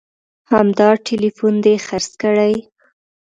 همدا ټلیفون دې خرڅ کړي